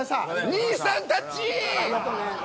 兄さんたち！